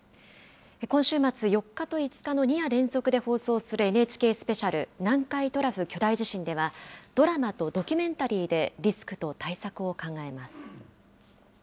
今週末、４日と５日の２夜連続で放送するＮＨＫスペシャル、南海トラフ巨大地震では、ドラマとドキュメンタリーで、リスクと対策を考えます。